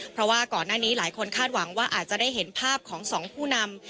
เพราะว่าก่อนหน้านี้หลายคนคาดหวังว่าอาจจะได้เห็นภาพของสองผู้นำ